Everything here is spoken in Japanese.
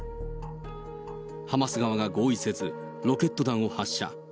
ハマス側が合意せず、ロケット弾を発射。